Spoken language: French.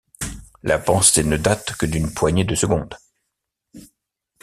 La pensée ne date que d’une poignée de secondes. ..